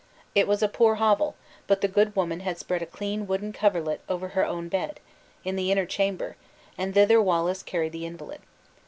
It was a poor hovel; but the good woman had spread a clean wooden coverlet over her own bed, in the inner chamber, and thither Wallace carried the invalid.